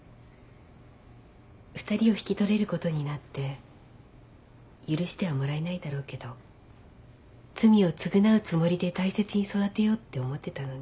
２人を引き取れることになって許してはもらえないだろうけど罪を償うつもりで大切に育てようって思ってたのに。